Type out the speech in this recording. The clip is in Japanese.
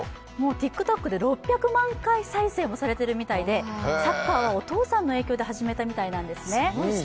ＴｉｋＴｏｋで６００万回再生もされているみたいで、サッカーはお父さんの影響で始めたみたいなんですね。